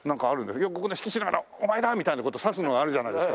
よくここで指揮しながら「お前だ！」みたいな事指すのがあるじゃないですか。